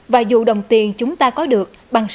và dù đồng tiền chúng ta có được